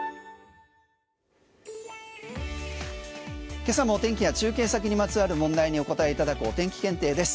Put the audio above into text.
今朝の天気や中継先にまつわる問題にお答えいただくお天気検定です。